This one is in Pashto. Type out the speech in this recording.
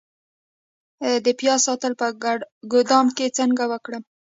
د پیاز ساتل په ګدام کې څنګه وکړم؟